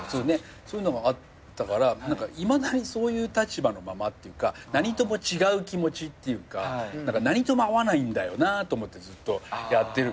そういうのがあったからいまだにそういう立場のままっていうか何とも違う気持ちっていうか何とも合わないんだよなと思ってずっとやってるから。